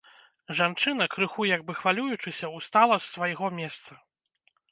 Жанчына, крыху як бы хвалюючыся, устала з свайго месца.